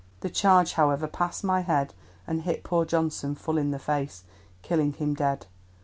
The charge, however, passed my head and hit poor Johnson full in the face, killing him dead.